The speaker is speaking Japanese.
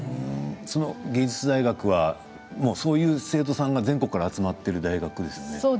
芸術大学はそういう生徒さんが全国から集まっている大学ですよね。